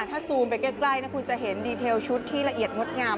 ถ้าซูมไปใกล้นะคุณจะเห็นดีเทลชุดที่ละเอียดงดงาม